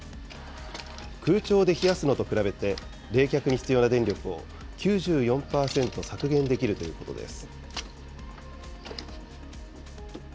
空調で冷やすのと比べて、冷却に必要な電力を９４％削減できるということです。